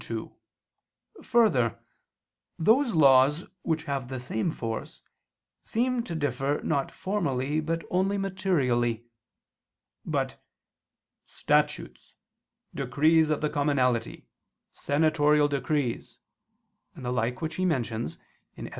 2: Further, those laws which have the same force, seem to differ not formally but only materially. But "statutes, decrees of the commonalty, senatorial decrees," and the like which he mentions (Etym.